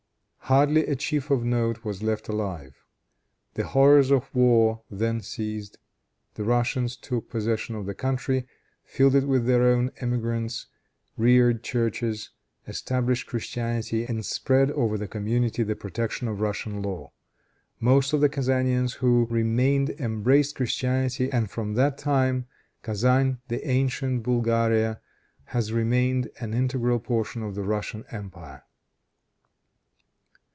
Hardly a chief of note was left alive. The horrors of war then ceased. The Russians took possession of the country, filled it with their own emigrants, reared churches, established Christianity, and spread over the community the protection of Russian law. Most of the Kezanians who remained embraced Christianity, and from that time Kezan, the ancient Bulgaria, has remained an integral portion of the Russian empire.